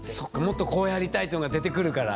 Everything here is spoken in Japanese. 「もっとこうやりたい」ってのが出てくるから。